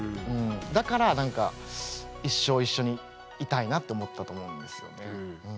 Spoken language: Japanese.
だから一生一緒にいたいなって思ったと思うんですよね。